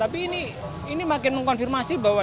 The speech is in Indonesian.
tapi ini makin mengkonfirmasi bahwa